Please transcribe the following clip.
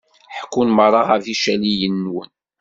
Ḥekkun merra ɣef yicaliyen-nwen.